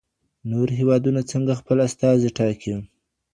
نور هیوادونه څنګه خپل استازي ټاکي؟